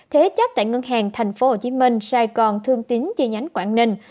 thế chấp tại ngân hàng tp hcm sài gòn thương tín chi nhánh quảng ninh